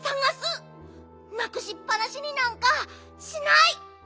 なくしっぱなしになんかしない！